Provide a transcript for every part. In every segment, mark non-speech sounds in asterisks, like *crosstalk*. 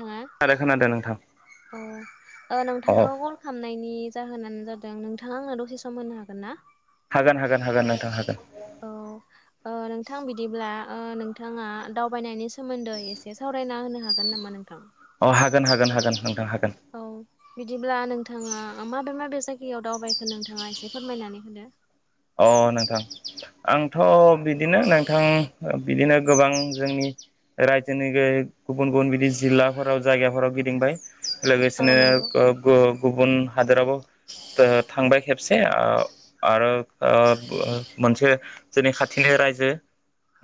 उम औ आरो खोनादों नोंथां ओ अ नोंथांखौ कल खालामनायनि जाहोनानो जादों नोंथाङा आंनो दसे सम होनो हागोन ना? हागोन हागोन हागोन नोंथां हागोन। औ ओ नोंथां बिदिब्ला ओ नोंथाङा दावबायनायनि सोमोन्दै एसे सावरायना होनो हागोन नामा नोंथां? अ हागोन हागोन हागोन नोंथां हा औ। बिदिब्ला नोंथाङा माबे माबे जायगायाव दावबायखो नोंथाङा एसे फोरमायनानै होदो। अ नोंथां आंथ' बिदिनो नोंथां बिदिनो गोबां जोंनि रायजोनि गे गुबुन गुबुन बिदि जिल्लाफोराव जायगाफोराव गिदिंबाय। औ लोगोसेनो नंगौ ओ बो गुबुन हादोरावबो थांबाय खेबसे। ओ आरो ओ मोनसे जोंनि खाथिनि रायजो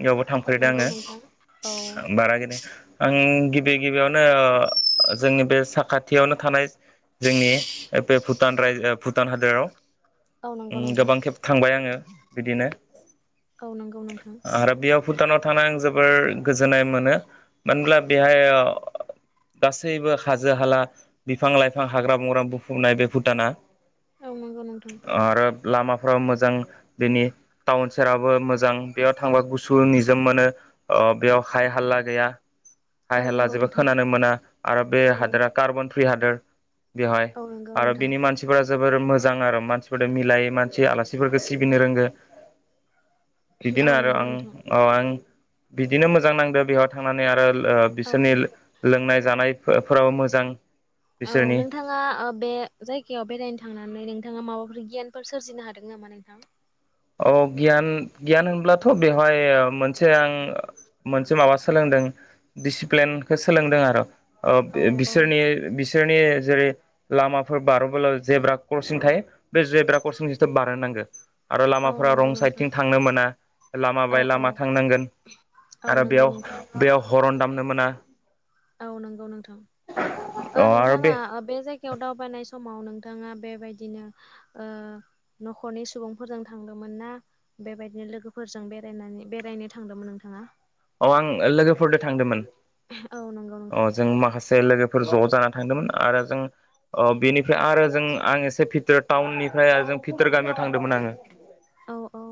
बेयावबो औ थांफेरदों नंगौ आङो। नोंथां औ बारागैनो आं गिबि गिबियावनो जोंनि बे साखाथियावनो थानाय जोंनि बे भुटान राय ओ भुटान हादोराव औ नंगौ नोंथां। गोबां खेब थांबाय आङो बिदिनो औ नंगौ नोंथां आरो बेयाव भुटानाव थांना आं जोबोर गोजोननाय मोनो मानो होनब्ला बेहाय ओ गासैबो हाजो हाला बिफां लाइफां हाग्रा बंग्रा बुफुंनाय बे भुटाना ओ औ नंगौ नोंथां आरो लामा फ्रा मोजां बेनि टाउन सेराबो मोजां बेयाव थांबा गुसु निजोम मोनो अ' अ बेयाव हाय हाल्ला गैया हाय औ हेला नंगौ जेबो नोंथां खोनानो मोना आरो बे औ हादोरा कार्बन फ्रि हादोर बेवहाय औ नंगौ आरो नोंथां बिनि मानसिफोरा जोबोर मोजां आरो मानसिफोरदो मिलायो मोन सि आलासिफोरखौ सिबिनो रोंगो औ बिदिनो आरो नंगौ आं नोंथां औ आं बिदिनो मोजां नांदो बेयावाय थांनानै आरो लो ओ बिसोरनि औ लोंनाय जानाय फो फोराव मोजां औ बिसोरनि नोंथाङा ओ बे जायगायाव बेरायनो थांनानै नोंथाङा माबाफोर गियानफोर सोरजिनो हादों नामा नोंथां? औ गियान गियान होनब्लाथ' बेवहाय मोनसे आं ओ मोनसे माबा सोलोंदों डिसिप्लेनखौ सोलोंदों आरो। ओ औ बे औ बिसोरनि बिस- बिसोरनि जेरै लामाफोर बारलबोला जेब्रा क्रसिं थायो बे जेब्रा क्रसिं जिथो बारो नांगो गो आरो औ लामाफोरा नंगौ रं नोंथां साइडथिं थांनो मोना लामा औ बाय औ लामा थांनांगोन औ आरो नंगौ बेयाव नोंथां बेयाव हरन दामनो मोना औ नंगौ नोंथां अ ओ आरो नोंथाङा ओ बे जायगायाव दावबायनाय सम समाव नोंथाङा बेबायदिनो ओ न'खरनि सुबुंफोरजों थांदोंमोन ना बेबायदिनो लोगोफोरजों बेरायनानि बेरायनो थांदोंमोन नोंथाङा? अ'लआं लोगोफोरदो थांदोमोन औ नंगौ अ' नोंथां जों माखासे लोगो फोर ज' जाना थांदोंमोन आरो जों अ बेनिफ्राय आरो जों आं एसे भिथोर टाउननिफ्राय आरो जों भितोर गामियाव थांदोंमोन आङो औ औ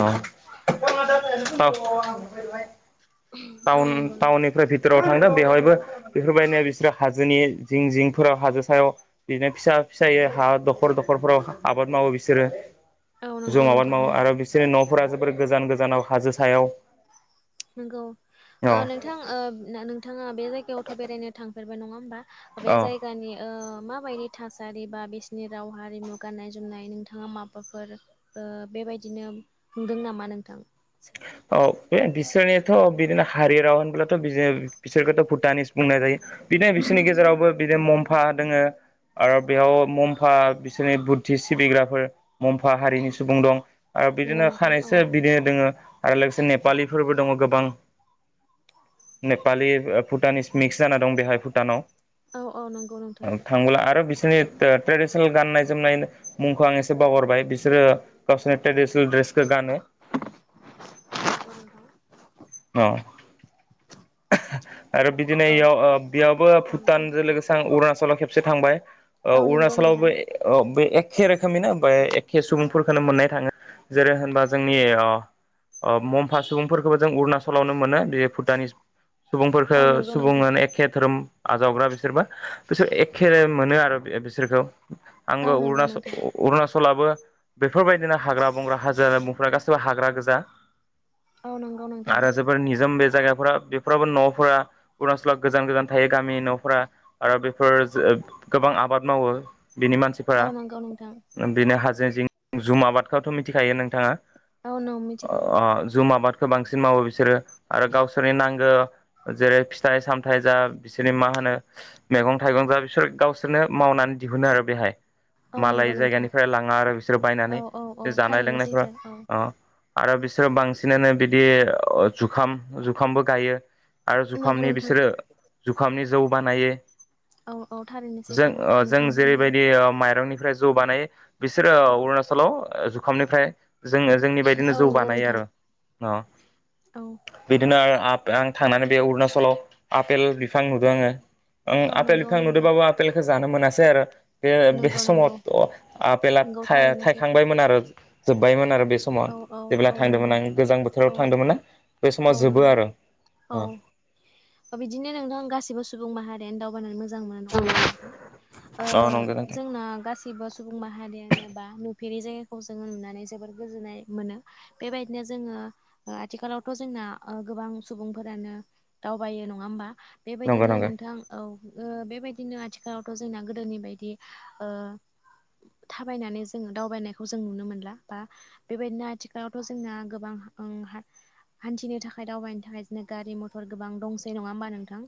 औ। औ नंगौ टा-टाउननिफ्राय फै तोराव थांदों बेवहायबो बेफोरबायदिनो बिसोरो हाजोनि जिं जिंफोराव हाजो सायाव बिदिनो फिसा फिसायो हा दखर दखरफोराव आबाद मावो बिसोरो औ ज' नंगौ आाबाद नोंथां मावो नंगौ आरो बिसोरनि न'फोरा जोबोर गोजान गोजानाव हाजो सायाव नंगौ ओ अ नोंथां ओ ना नोंथाङा बे जायगायावथ' बेरायनो थांफेरबाय नङा होमबा? बे अ जायगानि ओ माबायदि थासारि बा बिसिनि राव हारिमु गाननाय जोमनाय नोंथाङा माबाफोर ओ बे बेबायदिनो नुदों नामा नोंथां? औ। बे बिसोरनियाथ' बिदिनो हारि राव होनबोब्लाथ' बि बिसोरखौथ' भुटानिस बुंनाय जायो बिनो बिसोर बिनि गेजेरावबो बिदिनो मम्फा दोङो आरो बेयाव मम्फा बिसोरनि बुद्धि सिबिग्राफोर मम्फा हारिनि सुबुं दं आरो नंगौ बिदिनो नोंथां औ खानैसो बिदिनो दङो आरो लोगोसे नेपालिफोरबो दङ' गोबां नेपालि ओ भुटानिस मिक्स जाना दं बेहाय भुटानाव औ औ नंगौ नोंथां थांब्ला आरो बिस बिसोरनि ओ ट्रेडिसनेल गाननाय जोमनाय मुंखौ आं एसे बावहारबाय बिसोरो गावसोरनि ट्रेडिसनेल द्रेस सखो गानो। नंगौ नोंथां औ। आरो बिदिनो औ इयाव ओ बेयावबो औ भुटानजो लोगोसे आं अरुणाचलाव खेब से थांबाय ओ नंगौ अरुणाचलावबो नोंथां ए अ बे एखे रोखोमनिनो फ्राय एखे सुबुंफोरखोनो मोननाय थाङो जेरै होनबा जोंनि अ अ मम्फा सुबुंफोरखौबो जों अरुणा- सलावनो मोनो बे भुटानिस सुबुंफोरखो औ नंगौ नोंथां औ नंगौ सुबुंङआ नोंथां होन एखे धोरोम आजावग्रा बिसोरबो। बिसोर एखेे मोनो आरो बिसोरखौ औ आंबो नंगौ नोंथां उरुणाचल-अरुणाचल लाबो बेफोरबायदिनो हाग्रा-बंग्रा, हाजो-हाला, बुंफुनाय गासिबो हाग्रा गोजा। औ नंगौ। आरो जोबोर निजम बे जायगाफोरा बेफोरावो न'फोरा अरुणाचलाव गोजान-गोजान थायो गामि न'फोरा आरो बेफोर ओ गोबां आबाद मावो। बिनि मानसिफोरा नंगौ नोंथां बेनो हाजो जिं जुम आबादखौथ' मिथिखायो नोंथाङा? औ आं मिथिगौ। खौ बांसिन मावो बिसोरो आरो गावसोरनि नांगो जेरै फिथाइ सामथायाइ जा बिसोरनि मा होनो मैगं-थाइगं जा बिसोर गावसोरनो माव नानै दिहुनो आरो बेहाय। औ नंगौ मालाय नोंथां जायगानिफ्राय लाङा आरो बिसोरो बायनानै औ औ औ जानाय थारैनो लोंनायफोरा सैथो औ ओ आरो बिसोरो बांसिनानो बिदि जुखाम-जुखामबो गायो। आरो नंगौ जुखामनि नोंथां बिसोरो जुखामनि जौ बानायो। औ औ थारैनो जों सैथो ओ जों नोंथां जेरैबायदि बुंनाया माइरंनि फ्राय जौ बानायो बिसोरो ओ अरुणाचलाव जुखामनिफ्राय जोङो जोंनि बायदिनो औ जौ नंगौ बानायो नोंथां आरो। औ अ बिदिनो आरो आ आं थांनानै बे अरुणाचलाव आपेल बिफां नुदों आङो। ओं औ आपेल नंगौ बिफां नंगौ नुदोंबाबो आपेलखौ जानो मोनासै। आरो बे-बे नंगौ नंगौ समाव आपेला नंगौ थारैनो सैथो थायखांबायमोन आरो जोब्बायमोन आरो बे समाव औ औ जेब्ला औ थांदोंमोन नंगौ आं गोजां बोथ औ थांमोन ना बे समाव औ जोबो नंगौ आरो औ बिदिनो नोंथां गासिबो सुबुं माहारियानो दावबायनानै मोज मोजां मोनो नङा हबा नोंथां ओ नंगौ नोंथां जोंना गासिबो सुबुं माहारियानो बा जेरै जायगाखौ जों नुनानै जोबोद गोजोननाय मोनो। बेबायदिनो जोङो आथिखालावथ' जोंना गोबां सुबुंफोरानो दावबायो नङा होमबा? नंगौ बेबायदिनो नंगौ नोंथां। औ बेबाय बिदिनो आथिखालावथ' जोंना गोदोनि बायदि ओ थाबायनानै जोङो दावबायनायखौ जों नुनो मोनला बा बेबायदिनो आथिखालावथ' जोंना गोबां ओं हा हान्थिनो थाखाय दावबायनो थाखाय जोंनो गारि-मथर गोबां दंसै नङा होमबा नोंथां?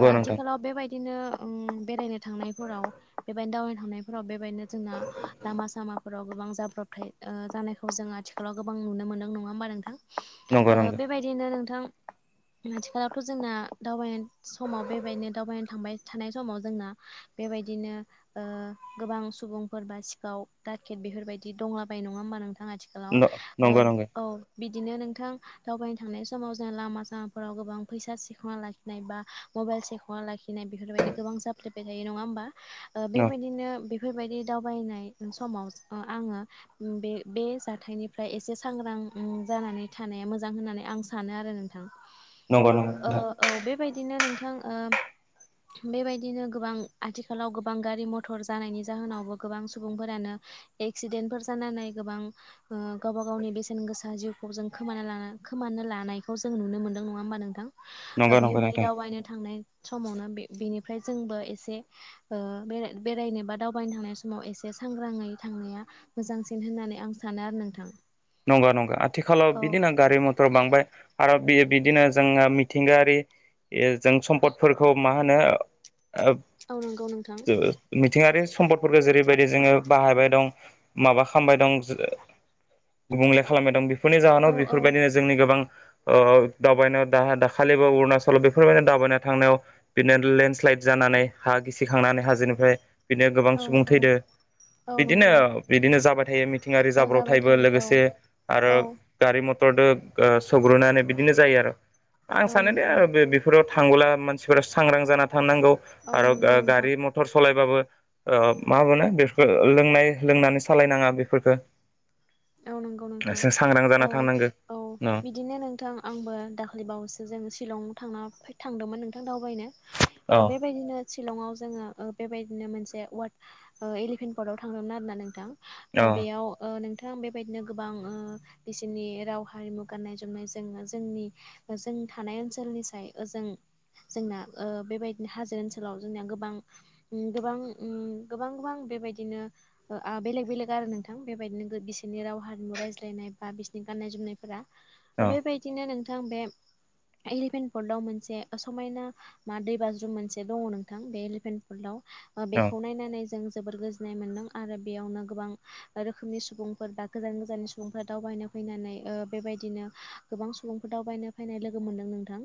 ओ नोंथां आथिखालाव बेबायदिनो बेरायनो थांनायफोराव बेबायदिनो दावबायनो थांनायफोराव बे बेनो जोंना लामा - सामाफोराव गोबां जाब्रबथाय ओ जानायखौ जों आथिखालाव गोबां नुनो मोनदों। नङा होमबा नंगौ नोंथां? नंगौ बेबायदिनो नोंथां *inaudible* आथिखालावथ' जोंना दावबायनाय समाव बेबायदिनो दावबायनो थांबाय थानाय समाव जोंना बेय बेबायदिनो ओ गोबां सुबुंफोर बा सिखाव दाकेट बेफोरबायदि दंलाबाय नङा नङा होमबा नोंथां? नंगौ नंगौ आथिखालाव ओ औ बिदिनो नोंथां दावबायनो थांनाय समाव जों लामा- सामाफोराव गोबां फैसा सिखांना लाखिनाय, बा मबाइल सेखना लाखिनाय बेफोरबायदि गोबां जाफ्लेबाय थायो नङा होमबा? ओ बेबायदिनो बेफोरबायदि दावबायनाय समाव आङो बे बे जाथायनिफ्राय एसे सांग्रां जानानै थानाया मोजां होननानै आं सानो आरो नोंथां। नंगौ नंगौ ओ औ बेबायदिनो नोंथांओ बेबायदिनो गोबां आथिखालाव गोबां गारि - मथर जानायनि जाहोनावबो गोबां सुबुंफोरानो एक्सिडेन्ट फोर जानानै गोबां ओ गावबा गावनि बेसेन गोसा जिउखौ जों खोमाना खोमाना लानायखौ जों नुनो मोनदों नङा हबा नोंथां? ओ नंगौ नंगौ नोंथां बेफोरबायदि दावबायनो थांनाय समावनो बे बेनिफ्राय जोंबो एसे ओ बेरायनो बा दावबायनो थांनाय समाव एसे सांग्राङै थांनाया मोजांसिन होननानै आं सानो आरो नोंथां। नंगौ नंगौ आथिखालाव औ बिदिनो गारि मटर बांबाय आरो बेयो बिदिनो जोंङो मिथिंगायारि जों सम्पदफोरखौ मा होनो ओ औ नंगौ नोंथां मिथिंगायारि *unintelligible* सम्पदफोरखौ जेरैबायदि जोंङो बाहायबाय दं माबा खामबाय दं गुबुंले खालामबाय दं बेफोरनि जाहोनाव औ औ बेफोरबायदिनो जोंनि गोबां ओ दावबायनायाव दा दाखालिबो अरुणाचलाव बेफोरबायदिनो दावबायनाय थांनायाव बिदिनो लेन्डस्लाइड जानानै हा गिसिखांनानै हाजोनिफ्राय बिदिनो गोबां औ सुबुं औ थैदों औ बिदिनो नंगौ बिदिनो जाबाय थायो मिथिंगायारि औ जाबाय जाब्रबथायबो थायो औ लोगोसे बे आरो औ गारि मटरदो सौग्रोनानै बिदिनो जायो आरो आं औ सानो नंगौ दे बेफोराव थांबोला मानसिफोरा सांग्रां जाना थानांगौ औ आरो नंगौ ओ नोंथां गारि मटर सलाय बाबो ओ मामोनो‌ बेफोरखौ ओ लोंनाय लोंनानै सालायनांङा बेफोरखौ औ नंगौ नोंथां जों सांग्रां औ जाना थांनांगौ औ बिदिनो नोंथां आंबो दाख्लैबावैसो जों शिलं थांना फ्राय थांदोंमोन नोंथां दावबायनो औ ओ बेबायदिनो शिलंङाव जोंङो ओ बेबायदिनो मोनसे वार्ड ओ एलिफेन्ट पर्ताव थांदोंमोन आरोना नोंथां औ ओ बेयाव ओ नों थां बेबायदिनो गोबां ओ बिसोरनि राव हारिमु गाननाय जोमनायजों जोंनि ओ जों थानाय ओनसोलनिसाय ओजों जोंना ओ बेबायदिनो हाजो ओनसोलाव जोंना गोबां उम गोबां उम गोबां गोबां बेबायदिनो ओ आ बेलेग बेलेग आरो नोंथां बेबायदिनो बिसोरनि राव हारिमु रायज्लायनाय बा बिसोरनि गाननाय जोमनायफोरा औ बेबायदिनो नोंथां थां बे एलि पेन्ट फल्डआव मोनसे समायना मा दैबाज्रुम मोनसे दंङ' नोंथां बे एलि पेन्ट फल्डआव ओ औ बेखौ नायनानै जों जोबोर गोजोननाय मोन्दों आरो बेयावनो गोबां रोखोमनि सु बुंफोर दा गोजान गोजाननि सुबुंफोरा दावबायनो फैनानै ओ बेबायदिनो गोबां सुबुंफोर दावबायनो फैनानै नै लोगो मोनदों नोंथां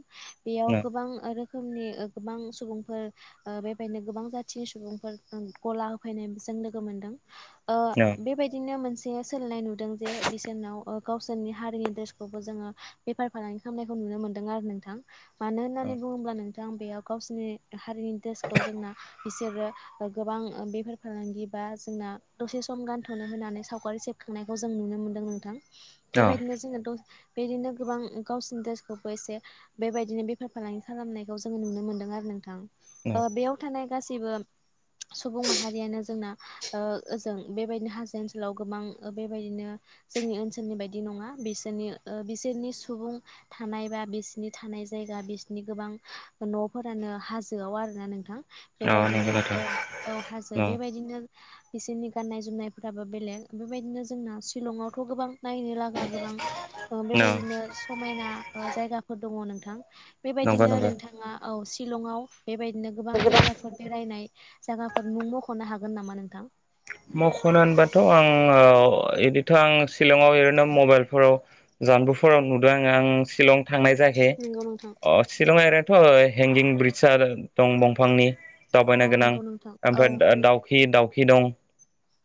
बेयाव गोबां रो खोमनि गोबां सुबुंफोर ओ बेबायदिनो गोबां जाथिनि सुबुंफोर गला होफैनाय जों लोगो मोनदों ओ बेबायदिनो मोनसे से सोलायनाय नुदों जे बिसोरनाव गावसोरनि हारिनि द्रेसखौबो जोंङो बेफार फालांगि खालामनायखौ नु नुनो मोनदों आरो नोंथां मानो होननानै बुंङोब्ला नोंथां बेयाव गावसिनि हारिनि द्रेसखौ जोंना बिसोरो ओ गोबां ओ बेफार फालांगि बा जोंना दसे सम गानथ'नो होनानै साव गारि सेबखांनायखौ जों नुनो मोन्दों नोंथां औ बेबायदिनो जोंङोथ' बेदिनो गोबां गावसिनि द्रेसखौबो एसे बेबायदिनो बेफार फालांगि खालामनायखौ जोंङो नुनो मोनदों आरो नोंथां। औ ओ बेयाव थानाय गासैबो सुबुं माहारियानो जोंना ओ ओजों बेबायदिनो हाजो ओनसोलाव गोबां ओ बेबायदिनो जोंनि ओनसोलनि बायदि नंङा बिसोरनि ओ बिसोरनि सुबुं थानाय बा बिसिनि थानाय जायगा बिसिनि गोबां न'फोरानो हाजोआव आरोना नोंथां। औ नंगौ बेबायदिनो नोंथां ओ औ हाजो बेबायदिनो बिसोरनि गाननाय जोमनायफोराबो बेलेग बेबायदिनो जोंना सिशलंआवथ' गोबां नायनो लागा गोबां ओ औ बेबायदिनो समायना ओ जायगाफोर दंङ' नोंथां नंगौ बेबायदिनो नंगौ नोंथांङा औ शिलंआव बेबायदिनो गोबां जायगाफोर बेरायनाय जायगाफोर नों मख'नो हागोन नामा नोंथां? मख'नो होनबाथ' आं ओ इदिथ' आं शिलंआव ओरैनो मबाइलफोराव जानबुफोराव नुदों आंङो आं शिलं थांनाय जायाखै नंगौ नोंथां। अ शिलं एरैथ' हेंगिं ब्रिडसआ दं दंफांनि औ दावबायनो गोनां नंगौ नोंथां ओमफ्राय दाउखि दाउ खि दं।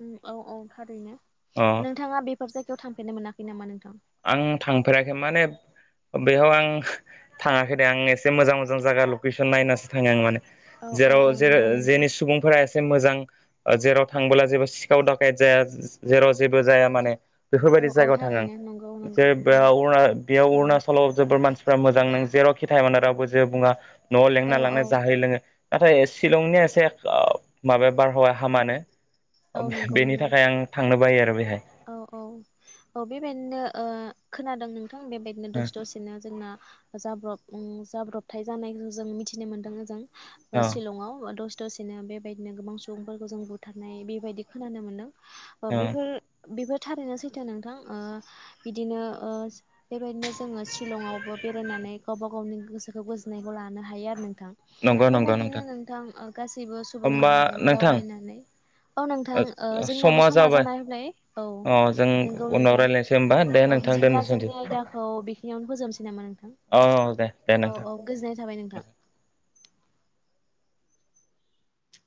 उम औ औ थारैनो अ नोंथांङा बेफोर जायगायाव थांफेरनो मोनाखै नामा नोंथां? आं थांफेराखै माने बेयाव आं थाङाखै दे आं एसे मोजां मोजां जागा लकेसन नायनासो थाङो आं माने। औ औ जेराव औ जे नंगौ नंगौ। जेनि सुबुंफोरा ए मोजां जेराव थांबोला जेबो सिखाव दाखेत जाया जेराव जेबो जाया माने औ बेफोरबायदि औ जायगायाव थाङो थारैनो नंगौ नंगौ जेरै औ बेयाव अरुणा औ अरुणाचलाव जोबोर मानसि फ्रा मोजां नों जेरावखि थाया मानो रावबो जेबो बुङा न'आव औ लेंना औ लांनो जाहै लोङो नाथाय शिलंनिया एसे ओ माबाया बारहावाया हामानो औ नंगौ बेनि नंगौ थाखाय आं थांनो बायो आरो बेहाय। औ औ औ बेबायदिनो ओ खोनादों नों थां बेबायदिनो दसे दसेनो जोंना जाब्रब ओम जाब्रबथाय जानायखौ जों मिथिनो मोनदों ओजों औ शिलंआव ओ दसे दसेनो बेबायदिनो गोबां सुबुंफोरखौ जों बुथारनाय बेबायदि खोनानो मोनदों ओ औ बेफोर बेफोर थारैनो सैथो नोंथां ओ बिदिनो ओ बेबायदिनो जोङो शिलंआवबो बेफ बेरायनानै गावबा गावनि गोसोखौ गोजोननायखौ लानो हायो आरो नों थां। नंगौ नंगौ बेबायदिनो नोंथां ओ गासैबो सुबुं होमबा माहारियानो नोंथां दावबायनानै औ नोंथां ओ जोंनाबो समा जाना फैबाय। औ अ जों नोंगौ उनाव नोंथां। रायज्लायनोसै होमबा दे औ नोंथां बिदिब्ला दोननोसै दे जोंनि आयदाखौ बेखिनियावनो फोजोबनोसै नामा नोंथां? अ' दे दे औ नोंथां औ गोजोननाय थाबाय नोंथां। उम।